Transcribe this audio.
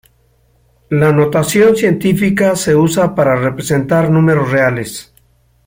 La notación científica se usa para representar números reales.